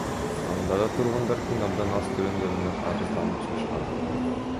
Анда да тургундар кун абдан аз төлөнгөнүнө арызданып чыгышкан.